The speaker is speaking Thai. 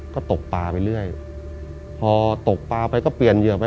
ก็ตกปลาไปเรื่อยพอตกปลาไปก็เปลี่ยนเหยื่อไป